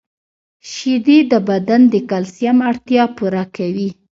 • شیدې د بدن د کلسیم اړتیا پوره کوي.